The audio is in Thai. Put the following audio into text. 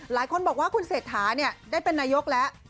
หลายคนบอกว่าคุณเศรษฐาได้เป็นนายกแล้ว